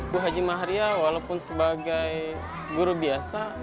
bu haji maharya walaupun sebagai guru biasa